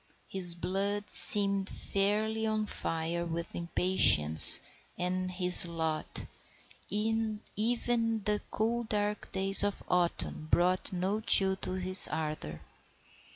His blood seemed fairly on fire with impatience at his lot, and even the cool dark days of autumn brought no chill to his ardour.